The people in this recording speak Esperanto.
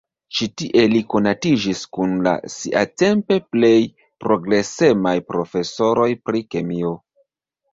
Ĉi-tie li konatiĝis kun la siatempe plej progresemaj profesoroj pri kemio.